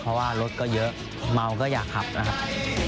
เพราะว่ารถก็เยอะเมาก็อยากขับนะครับ